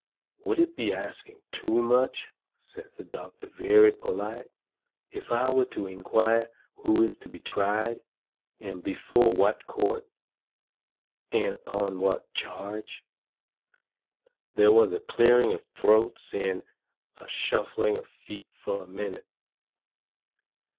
"Would it be asking too much," says the doctor very polite, "if I were to inquire who is to be tried, and before what court, and upon what charge?" There was a clearing of throats and a shuffling of feet fur a minute.